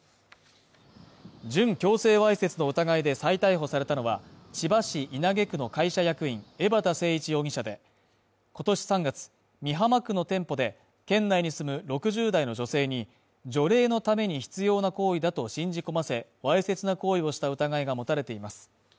準強制わいせつの疑いで再逮捕されたのは、千葉市稲毛区の会社役員、江畑誠一容疑者で、今年３月、美浜区の店舗で、県内に住む６０代の女性に除霊のために必要な行為だと信じ込ませ、わいせつな行為をした疑いが持たれています。